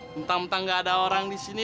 bentang bentang gak ada orang disini